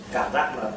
cảm giác là